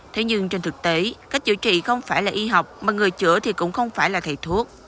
thế nhưng trên thực tế cách chữa trị không phải là y học mà người chữa thì cũng không phải là thầy thuốc